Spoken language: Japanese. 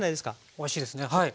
おいしいですねはい。